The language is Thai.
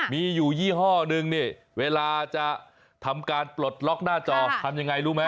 มีอยู่ยี่ห้อนึงนี่เวลาจะทำการปลดล็อกหน้าจอทำยังไงรู้ไหม